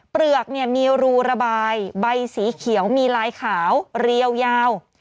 เปลือกมีรูระบายใบสีเขียวมีลายขาวเรียวยาว